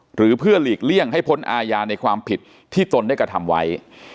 หรือเพื่อหลีกเลี่ยงให้พ้นอาญาในความผิดที่ตนได้กระทำไว้